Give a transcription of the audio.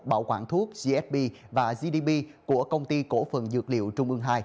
bảo quản thuốc gsb và gdp của công ty cổ phần dược liệu trung ương ii